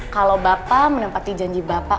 kalau bapak menempati janji bapak